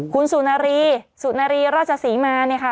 คุณสุนารีสุนารีราชศรีมาเนี่ยค่ะ